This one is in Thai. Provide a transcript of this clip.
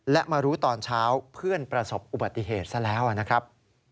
และมารู้ตอนเช้าเพื่อนประสบอุบัติเหตุซะแล้วนะครับ